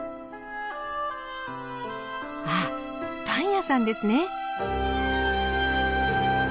ああパン屋さんですね！